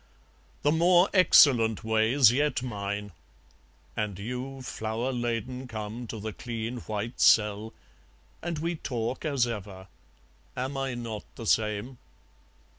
The more excellent way's yet mine! And you Flower laden come to the clean white cell, And we talk as ever am I not the same?